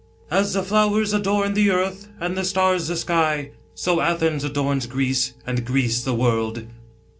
" As the flowers adorn the earth and the stars the oky, so Athens adorns Greece and Greece the world."